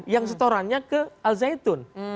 yang setorannya ke al zaitun